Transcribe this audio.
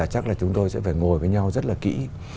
chắc là chúng tôi sẽ phải ngồi với nhau rất là kỹ